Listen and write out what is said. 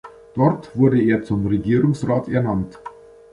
Dort wurde er zum Regierungsrat ernannt.